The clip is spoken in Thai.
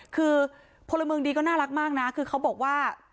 คือพลเมืองดีก็น่ารักมากนะคือเขาบอกว่า